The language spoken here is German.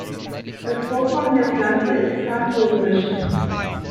Das Vorkommen der Pflanze ist pantropisch.